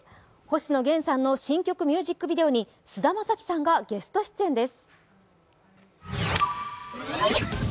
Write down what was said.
星野源さんの新曲ミュージックビデオに菅田将暉さんがゲスト出演です。